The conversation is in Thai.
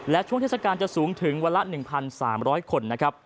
และช่วงเทศกาลจะสูงถึงวันละ๑๓๐๐คนนะครับ